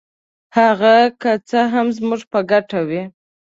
هغه که څه هم زموږ په ګټه وي.